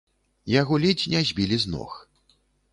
Яго ледзь не збілі з ног.